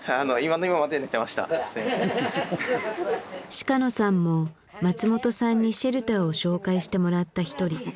鹿野さんも松本さんにシェルターを紹介してもらった一人。